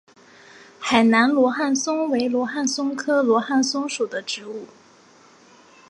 海南罗汉松为罗汉松科罗汉松属的植物。